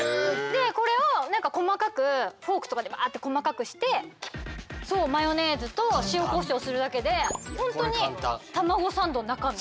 でこれを何か細かくフォークとかでバーッて細かくしてそうマヨネーズと塩こしょうするだけで本当にたまごサンドの中身。